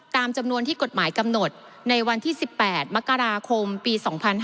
ตามจำนวนที่กฎหมายกำหนดในวันที่๑๘มกราคมปี๒๕๕๙